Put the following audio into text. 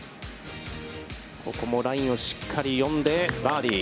ここもラインをしっかり読んで、バーディー。